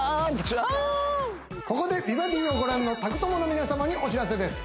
ここで「美バディ」をご覧の宅トモの皆様にお知らせです